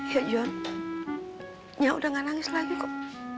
ya jon nyak udah gak nangis lagi kok